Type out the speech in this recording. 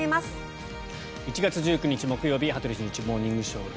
１月１９日、木曜日「羽鳥慎一モーニングショー」。